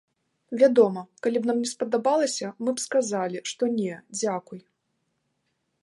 Вядома, калі б нам не спадабалася, мы б сказалі, што не, дзякуй.